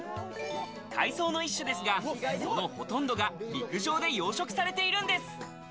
海藻の一種ですが、そのほとんどが陸上で養殖されているんです。